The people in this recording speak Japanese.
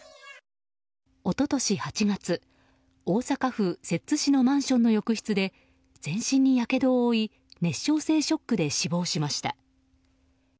一昨年８月、大阪府摂津市のマンションの浴室で全身にやけどを負い熱傷性ショックで死亡しました。